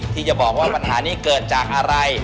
ที่จะบอกว่าปัญหานี้เกิดจากอะไร